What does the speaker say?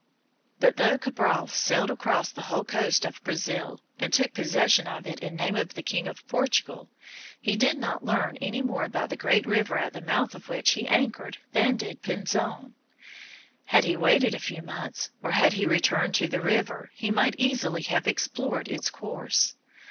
But though Cabral sailed along the whole coast of Brazil, and took possession of it in the name of the King of Portugal, he did not learn any more about the great river at the mouth of which he anchored than did Pinzon. Had he waited a few months, or had he returned to the river, he might easily have explored its course.